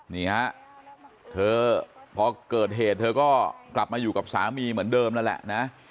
นี่ฮะเธอพอเกิดเหตุเธอก็กลับมาอยู่กับสามีเหมือนเดิมนั่นแหละนะ